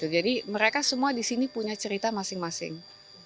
jadi mereka semua di sini punya cerita masing masing